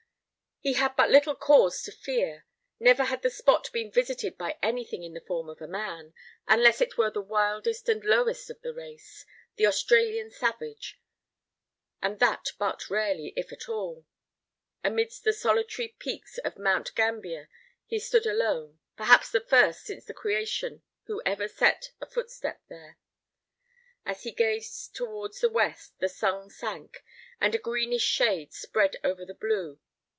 He had but little cause to fear. Never had the spot been visited by anything in the form of a man, unless it were the wildest and lowest of the race the Australian savage and that but rarely, if at all. Amidst the solitary peaks of Mount Gambier he stood alone; perhaps the first since the creation who ever set a footstep there. As he gazed towards the west, the sun sank, and a greenish shade spread over the blue.